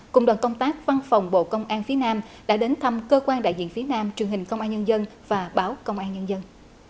cùng đoàn công tác văn phòng bộ công an phía nam đã đến thăm cơ quan đại diện phía nam truyền hình công an nhân dân và báo công an nhân dân